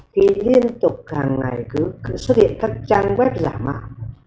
thì liên tục hàng ngày cứ xuất hiện các trang web giả mạo